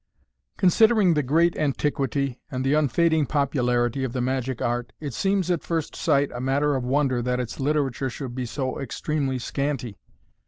ONSIDERING the great antiquity and the on. fading popularity of the magic art, it seems at first sight a matter of wonder that its literature should be so extremely scanty.